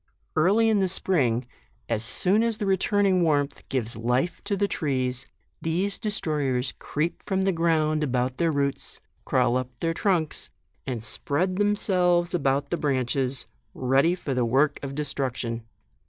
Early in the spring, as soon as the returning warmth gives life to the trees, these destroyers creep from the JUNE. 137 ground about their roots, crawl up their trunks, and spread themselves about the branches, ready for the work of destruction.